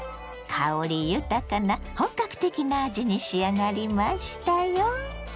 香り豊かな本格的な味に仕上がりましたよ。